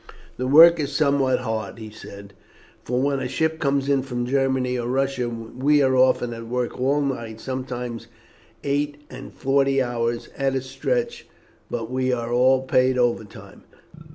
"The work is somewhat hard," he said, "for when a ship comes in from Germany or Russia we are often at work all night, sometimes eight and forty hours at a stretch, but we are all paid overtime.